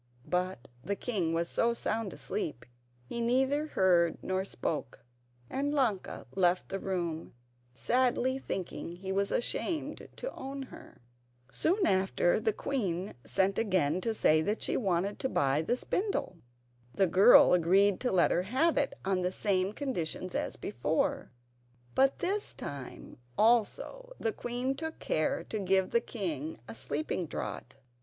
But the king was so sound asleep he neither heard nor spoke, and Ilonka left the room, sadly thinking he was ashamed to own her. Soon after the queen again sent to say that she wanted to buy the spindle. The girl agreed to let her have it on the same conditions as before; but this time, also, the queen took care to give the king a sleeping draught.